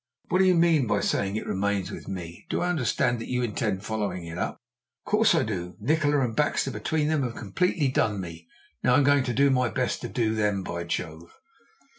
"What do you mean by saying it remains with me? Do I understand that you intend following it up?" "Of course I do. Nikola and Baxter between them have completely done me now I'm going to do my best to do them. By Jove!"